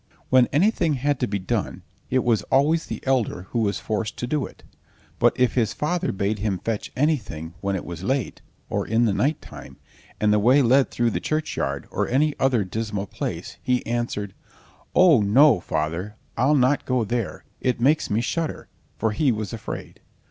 When anything had to be done, it was always the elder who was forced to do it; but if his father bade him fetch anything when it was late, or in the night time, and the way led through the churchyard, or any other dismal place, he answered: "Oh, no, father, I'll not go there, it makes me shudder!" for he was afraid.